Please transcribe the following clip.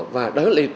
và đó là